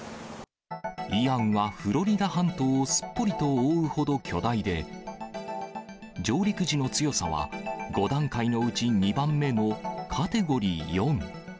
イアンはフロリダ半島をすっぽりと覆うほど巨大で、上陸時の強さは、５段階のうち２番目のカテゴリー４。